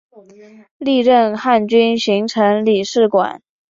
历任汉军巡城理事官。